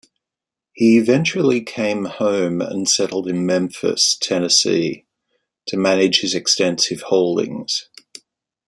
He eventually came home and settled in Memphis, Tennessee, to manage his extensive holdings.